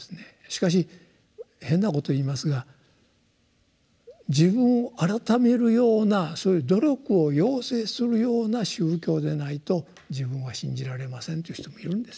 しかし変なことを言いますが自分を改めるようなそういう努力を要請するような宗教でないと自分は信じられませんという人もいるんですよ。